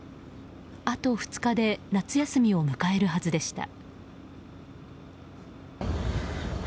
あと２日で夏休みを迎えるはずでした。